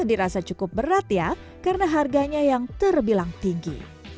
dirasa cukup berat ya karena harganya yang terbilang tinggi